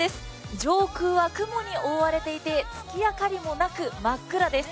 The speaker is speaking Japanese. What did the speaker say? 上空は雲に覆われていて月明かりもなく真っ暗です。